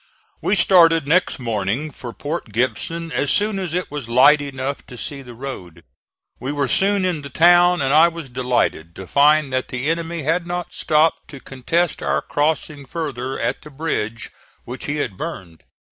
We started next morning for Port Gibson as soon as it was light enough to see the road. We were soon in the town, and I was delighted to find that the enemy had not stopped to contest our crossing further at the bridge, which he had burned.